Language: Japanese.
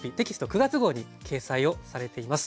９月号に掲載をされています。